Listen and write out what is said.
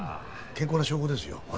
健康な証拠ですよ。